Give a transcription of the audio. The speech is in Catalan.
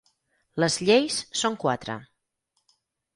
Les lleis són quatre.